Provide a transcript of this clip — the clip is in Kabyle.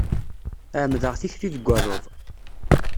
Ɛemmdeɣ tikli deg aluḍ.